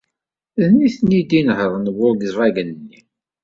D nitni ad inehṛen Volkswagen-nni.